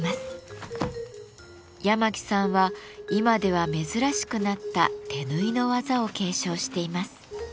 八巻さんは今では珍しくなった手縫いの技を継承しています。